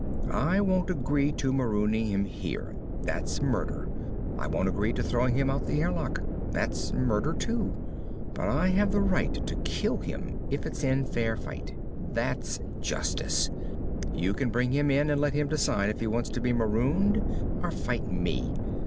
I won't agree to marooning him here. That's murder. I won't agree to throwing him out the airlock. That's murder, too. But I have the right to kill him if it's in fair fight. That's justice! You can bring him in and let him decide if he wants to be marooned or fight me.